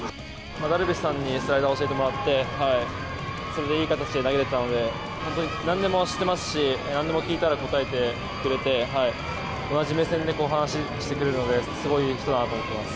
ダルビッシュさんにスライダーを教えてもらって、それでいい形で投げれたので、本当になんでも知ってますし、なんでも聞いたら答えてくれて、同じ目線で話してくれるので、すごいいい人だなと思ってます。